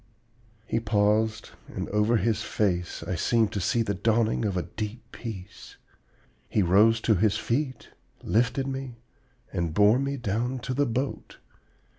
"He paused, and over his face I seemed to see the dawning of a deep peace. He rose to his feet, lifted me, and bore me down to the boat.